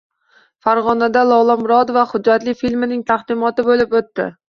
Farg‘onada “Lola Murodova” hujjatli filmining taqdimoti bo‘lib o‘tdi